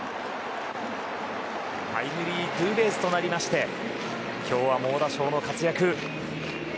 タイムリーツーベースとなりまして今日は猛打賞の活躍。